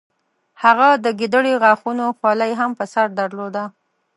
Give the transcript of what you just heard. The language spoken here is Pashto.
هغه د ګیدړې غاښونو خولۍ هم په سر درلوده.